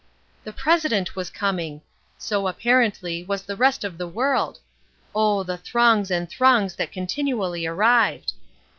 The president was coming! So, apparently, was the rest of the world! Oh, the throngs and throngs that continually arrived!